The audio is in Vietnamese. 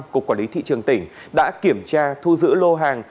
cục quản lý thị trường tỉnh đã kiểm tra thu giữ lô hàng